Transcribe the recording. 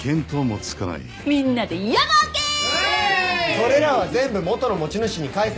それらは全部元の持ち主に返せ！